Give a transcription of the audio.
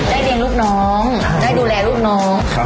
ได้เลี้ยงลูกน้องได้ดูแลลูกน้อง